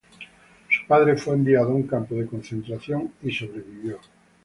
Su padre fue enviado a un campo de concentración, y sobrevivió.